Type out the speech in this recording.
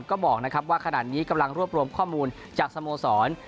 ก็บอกนะครับว่าขณะนี้กำลังรวบรวมข้อมูลจากสโมสร